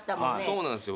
そうなんですよ。